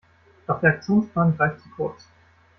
Doch der Aktionsplan greift zu kurz.